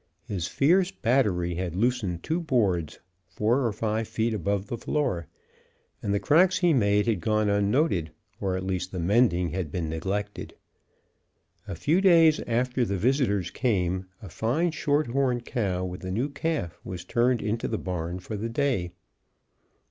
His fierce battery had loosened two boards four or five feet above the floor. And the cracks he made had gone unnoted, or at least the mending had been neglected. A few days after the visitors came, a fine shorthorn cow with a new calf was turned into the barn for the day.